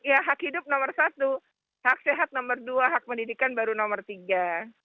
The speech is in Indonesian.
ya hak hidup nomor satu hak sehat nomor dua hak pendidikan baru nomor tiga